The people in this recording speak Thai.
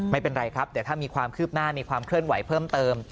ไม่เป็นไรครับเดี๋ยวถ้ามีความคืบหน้ามีความเคลื่อนไหวเพิ่มเติม